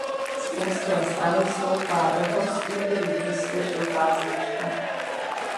Z polské strany stoupá do hor z údolí Visly žlutá značka.